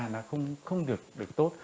nó không được tốt